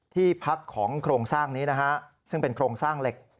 ที่พักของโครงสร้างนี้นะฮะซึ่งเป็นโครงสร้างเหล็ก